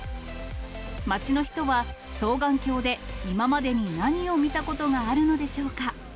街の人は、双眼鏡で今までに何を見たことがあるのでしょうか。